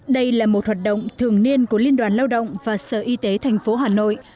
đây là một hoạt động thường niên của liên đoàn lao động và sở y tế thành phố hà nội